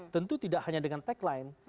tentu tidak hanya dengan tagline